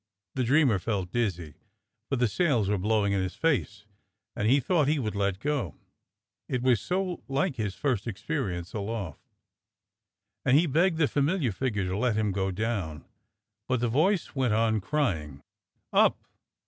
The dreamer felt dizzy, for tlie sails were blowing in his face, and he thought he would let go, it was so like his first experi ence aloft; and he begged the familiar figure to let him go down, but the voice went on crying: "Up!